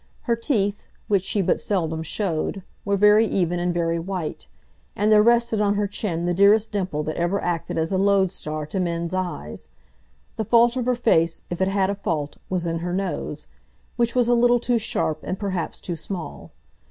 Her teeth, which she but seldom showed, were very even and very white, and there rested on her chin the dearest dimple that ever acted as a loadstar to mens's eyes. The fault of her face, if it had a fault, was in her nose, which was a little too sharp, and perhaps too small.